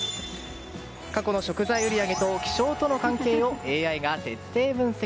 過去の食材売り上げと気象との関係をＡＩが徹底分析。